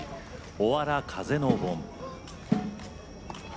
おわら風の盆。